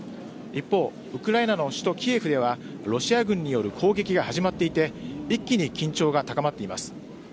一方ウクライナの首都・キエフではロシア軍による攻撃が始まっていて一気に緊張が高まっています。